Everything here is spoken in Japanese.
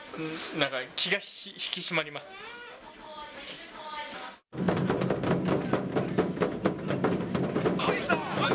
なんか、気が引き締まります。